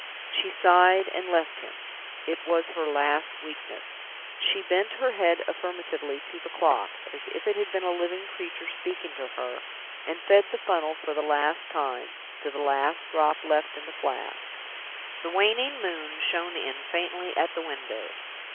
She sighed and left him. It was her last weakness. She bent her head affirmatively to the clock, as if it had been a living creature speaking to her; and fed the funnel for the last time, to the last drop left in the Flask. The waning moon shone in faintly at the window.